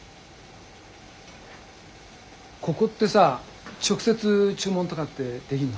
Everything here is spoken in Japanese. ここってさ直接注文とかってできんの？